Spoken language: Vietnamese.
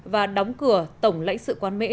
và đóng cửa tổng lãnh sự quán mỹ